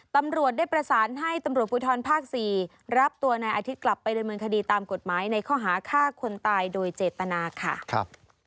ตำรวจได้ประสานให้ตำรวจภูทรภาค๔รับตัวนายอาทิตย์กลับไปดำเนินคดีตามกฎหมายในข้อหาฆ่าคนตายโดยเจตนาค่ะ